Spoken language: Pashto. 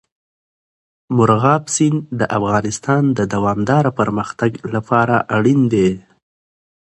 مورغاب سیند د افغانستان د دوامداره پرمختګ لپاره اړین دي.